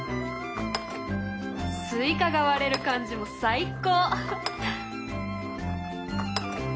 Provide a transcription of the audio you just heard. スイカが割れる感じも最高！